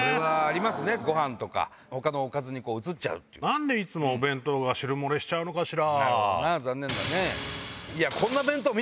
「何でいつもお弁当が汁漏れしちゃうのかしら」。